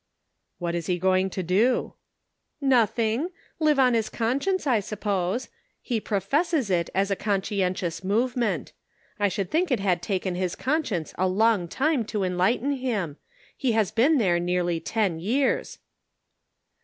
" What is he going to do ?"" Nothing ; live on his conscience, I suppose ; he professes it as a conscientious movement; I should think it had taken his conscience a long time to enlighten him ; he has been there nearly ten years."